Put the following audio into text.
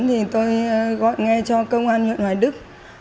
thì tôi gọi nghe cho công an huyện hoài đức